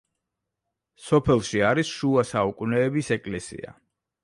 სოფელში არის შუა საუკუნეების ეკლესია.